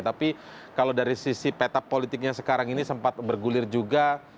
tapi kalau dari sisi peta politiknya sekarang ini sempat bergulir juga